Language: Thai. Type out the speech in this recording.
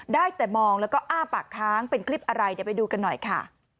ได้แต่มองแล้วก็อ้าปากค้างเป็นคลิปอะไรเดี๋ยวไปดูกันหน่อยค่ะ